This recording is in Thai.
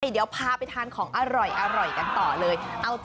เดี๋ยวพาไปทานของอร่อย